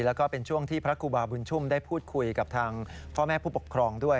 แล้วก็เป็นช่วงที่พระครูบาบุญชุ่มได้พูดคุยกับทางพ่อแม่ผู้ปกครองด้วย